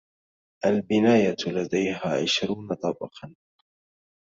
البناية لديها عشرون طابق.